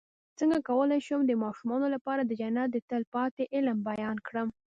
څنګه کولی شم د ماشومانو لپاره د جنت د تل پاتې علم بیان کړم